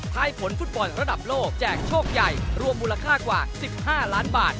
ให้ผลฟุตบอลระดับโลกแจกโชคใหญ่รวมมูลค่ากว่า๑๕ล้านบาท